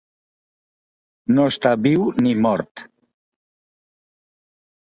No està viu ni mort.